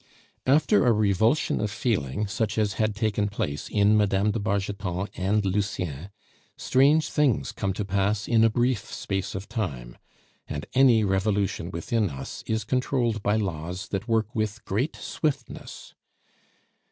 After a revulsion of feeling such as had taken place in Mme. de Bargeton and Lucien, strange things come to pass in a brief space of time, and any revolution within us is controlled by laws that work with great swiftness.